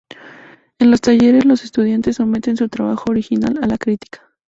En los talleres los estudiantes someten su trabajo original a la crítica.